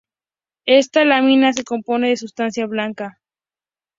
Esta lámina se compone de sustancia blanca.